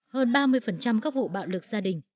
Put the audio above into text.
hơn ba mươi các vụ bạo lực gia đình